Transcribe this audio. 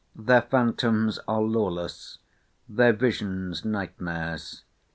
Their phantoms are lawless; their visions nightmares.